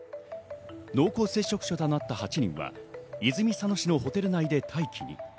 濃厚接触者となった８人は泉佐野市のホテル内で待機。